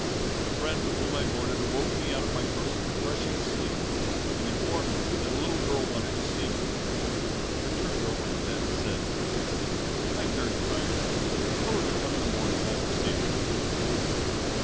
The friend with whom I boarded awoke me out of my first refreshing sleep, and informed me that a little girl wanted to see me. I turned over in bed and said: "'I am very tired, tell her to come in the morning and I will see her.'